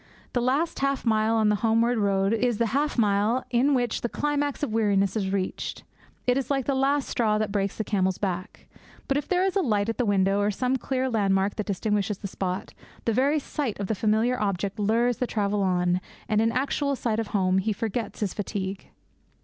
The last half mile on the homeward road is the half mile in which the climax of weariness is reached. It is like the last straw that breaks the camel's back. But if there is a light at the window, or some clear landmark that distinguishes the spot, the very sight of the familiar object lures the traveller on, and in actual sight of home he forgets his fatigue.